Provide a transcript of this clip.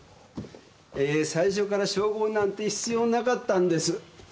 えー最初から照合なんて必要なかったんです。